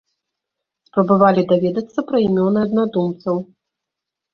Спрабавалі даведацца пра імёны аднадумцаў.